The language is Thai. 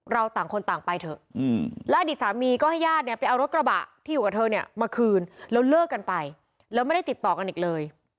เราเลิกกันไปแล้วไม่ได้ติดต่อกันอีกเลย